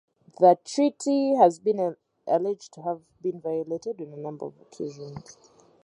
The treaty has been alleged to have been violated on a number of occasions.